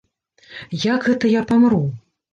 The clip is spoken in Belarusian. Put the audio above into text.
Як гэта я памру?